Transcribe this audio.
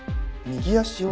右足？